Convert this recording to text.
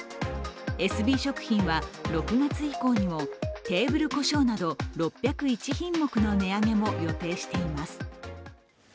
エスビー食品は６月以降もテーブルコショーなど６０１品目の値上げも予定しています